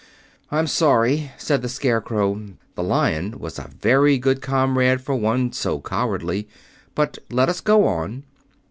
"I'm sorry," said the Scarecrow. "The Lion was a very good comrade for one so cowardly. But let us go on."